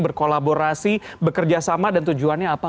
berkolaborasi bekerjasama dan tujuannya apa